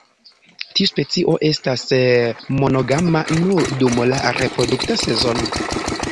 Tiu specio estas monogama nur dum la reprodukta sezono.